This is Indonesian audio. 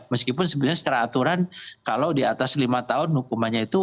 meskipun sebenarnya secara aturan kalau di atas lima tahun hukumannya itu